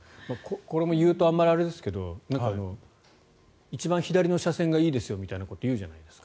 これも言うとあまりあれですけど一番左の車線がいいですよみたいなことを言うじゃないですか。